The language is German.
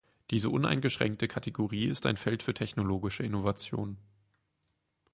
Diese uneingeschränkte Kategorie ist ein Feld für technologische Innovation.